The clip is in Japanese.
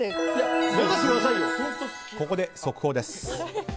ここで速報です。